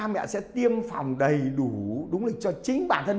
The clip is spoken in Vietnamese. bệnh viện phụ sản trung ương cho biết